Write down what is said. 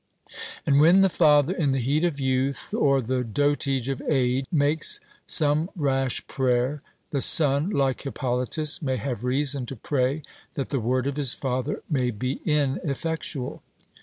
And when the father, in the heat of youth or the dotage of age, makes some rash prayer, the son, like Hippolytus, may have reason to pray that the word of his father may be ineffectual.